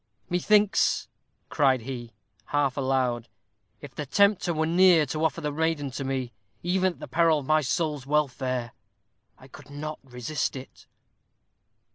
"Methinks," cried he, half aloud, "if the Tempter were near to offer the maiden to me, even at the peril of my soul's welfare, I could not resist it."